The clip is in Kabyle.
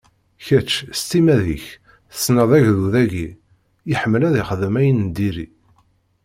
Kečč, s timmad-ik, tessneḍ agdud-agi, iḥemmel ad ixdem ayen n diri.